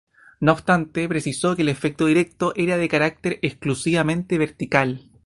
No obstante, precisó que el efecto directo era de carácter exclusivamente vertical.